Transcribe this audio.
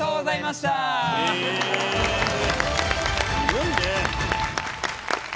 すごいね。